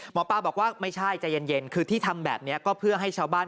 หมอปลาบอกว่าไม่ใช่ใจเย็นคือที่ทำแบบนี้ก็เพื่อให้ชาวบ้าน